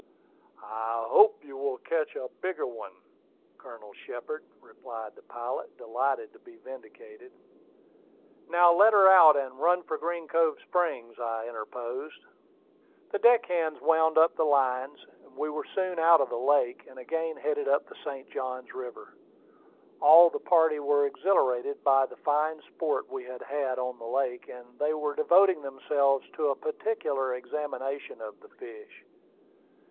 "I hope you will yet catch a bigger one, Colonel Shepard," replied the pilot, delighted to be vindicated. "Now let her out, and run for Green Cove Springs," I interposed. The deck hands wound up the lines; we were soon out of the lake, and again headed up the St. Johns River. All the party were exhilarated by the fine sport we had had on the lake, and they were devoting themselves to a particular examination of the fish.